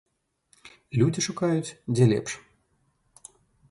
Людзі шукаюць, дзе лепш.